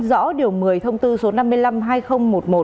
rõ điều một mươi thông tư số